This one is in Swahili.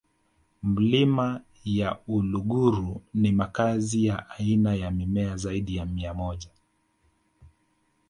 milima ya uluguru ni makazi ya aina za mimea zaidi ya mia moja